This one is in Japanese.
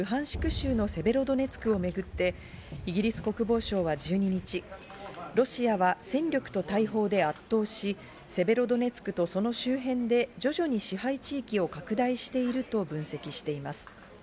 州のセベロドネツクをめぐって、イギリス国防省は１２日、ロシアは戦力と大砲で圧倒し、セベロドネツクとその周辺で徐々に支配地域を拡大していると分析しています。